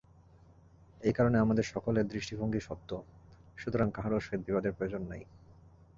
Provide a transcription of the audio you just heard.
এই কারণে আমাদের সকলের দৃষ্টিভঙ্গীই সত্য, সুতরাং কাহারও সহিত বিবাদের প্রয়োজন নাই।